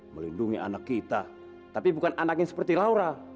melindungi anak kita tapi bukan anak yang seperti laura